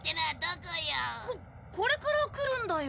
こっこれから来るんだよ。